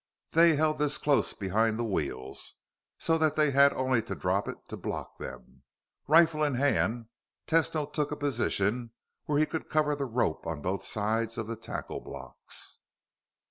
They held this close behind the wheels so that they had only to drop it to block them. Rifle in hand, Tesno took a position where he could cover the rope on both sides of the tackle blocks.